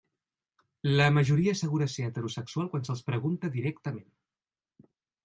La majoria assegura ser heterosexual quan se'ls pregunta directament.